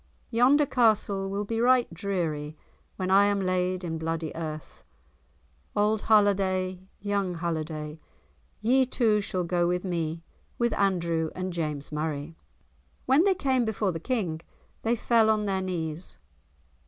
Yonder castle will be right dreary when I am laid in bloody earth. Auld Halliday, young Halliday, ye two shall go with me, with Andrew and James Murray." When they came before the King they fell on their knees.